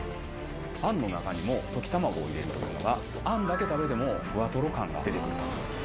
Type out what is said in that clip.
あんの中にも溶き卵を入れるというのが、あんだけ食べてもふわとろ感が出てくると。